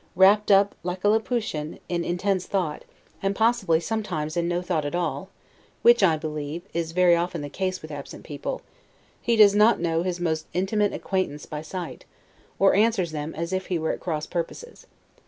Wrapped up, like a Laputan, in intense thought, and possibly sometimes in no thought at all (which, I believe, is very often the case with absent people), he does not know his most intimate acquaintance by sight, or answers them as if he were at cross purposes.